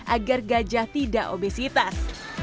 agar gajah tidak obesitas